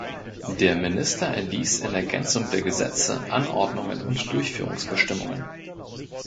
Der Minister erließ in Ergänzung der Gesetze Anordnungen und Durchführungsbestimmungen.